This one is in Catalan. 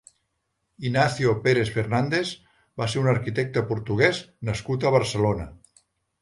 Inácio Peres Fernandes va ser un arquitecte portuguès nascut a Barcelona.